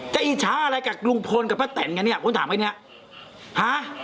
อิจฉาอะไรกับลุงพลกับป้าแตนกันเนี่ยผมถามไอ้เนี้ยฮะ